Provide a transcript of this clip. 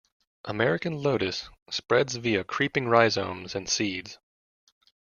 American Lotus spreads via creeping rhizomes and seeds.